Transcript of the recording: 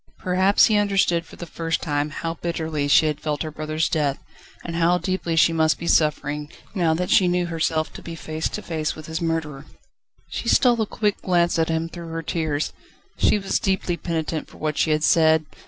Perhaps he understood for the first time how bitterly she had felt her brother's death, and how deeply she must be suffering, now that she knew herself to be face to face with his murderer. She stole a quick glance at him, through her tears. She was deeply penitent for what she had said.